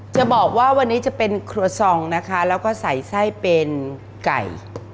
จะบอกว่าวันนี้จะเป็นครัวซองนะคะแล้วก็ใส่ไส้เป็นไก่